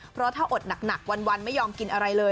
เพราะถ้าอดหนักวันไม่ยอมกินอะไรเลย